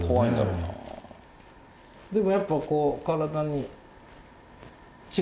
でもやっぱこう。